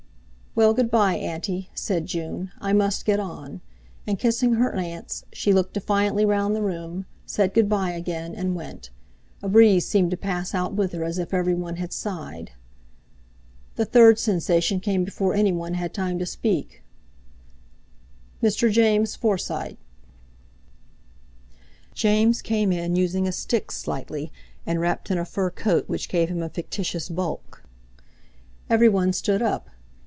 "Well, good bye, Auntie," said June; "I must get on," and kissing her aunts, she looked defiantly round the room, said "Good bye" again, and went. A breeze seemed to pass out with her, as if everyone had sighed. The third sensation came before anyone had time to speak: "Mr. James Forsyte." James came in using a stick slightly and wrapped in a fur coat which gave him a fictitious bulk. Everyone stood up.